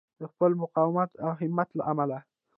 د خپل مقاومت او همت له امله.